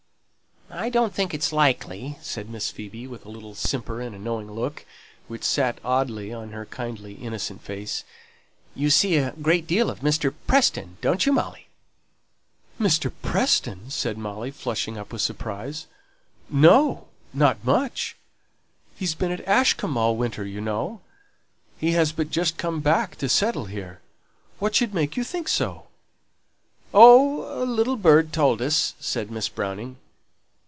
"I don't think it's likely," said Miss Phoebe, with a little simper and a knowing look, which sate oddly on her kindly innocent face. "You see a great deal of Mr. Preston, don't you, Molly?" "Mr. Preston!" said Molly, flushing up with surprise. "No! not much. He's been at Ashcombe all winter, you know! He has but just come back to settle here. What should make you think so?" "Oh! a little bird told us," said Miss Browning.